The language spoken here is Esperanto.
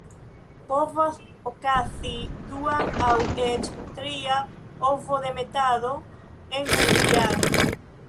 Povas okazi dua aŭ eĉ tria ovodemetado en unu jaro.